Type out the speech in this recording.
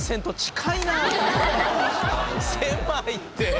狭いって！